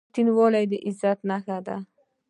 • رښتینولي د عزت نښه ده.